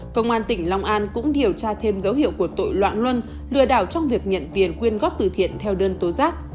công an tỉnh long an cũng điều tra thêm dấu hiệu của tội loạn luân lừa đảo trong việc nhận tiền quyên góp từ thiện theo đơn tố giác